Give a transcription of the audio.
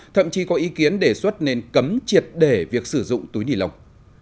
thậm chí có ý kiến đề xuất nên cấm triệt để việc sử dụng túi ni lông